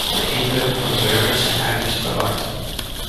De indrukken van de burgers zijn uiterst verward.